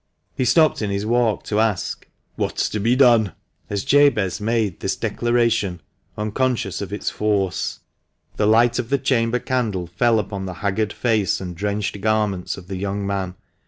He stopped in his walk to ask, "What's to be done?" as Jabez made this declaration, unconscious of its force. The light of the chamber candle fell upon the haggard face and drenched garments of the young man.